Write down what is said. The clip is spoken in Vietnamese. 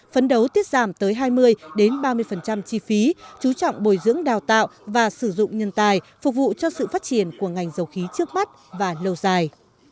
phấn đấu tiết giảm tới hai mươi ba mươi chi phí chú trọng bồi dưỡng đào tạo và sử dụng nhân tài phục vụ cho sự phát triển của ngành dầu khí trước mắt và lâu dài